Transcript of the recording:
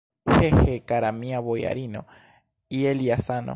He, he, kara mia bojarino, je lia sano!